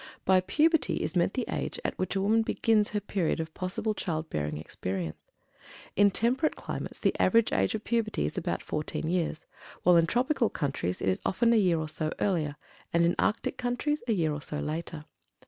By "PUBERTY" is meant the age at which a woman begins her period of possible child bearing experience. In temperate climates the average age of puberty is about fourteen years, while in tropical countries it is often a year or so earlier, and in arctic countries a year or so later.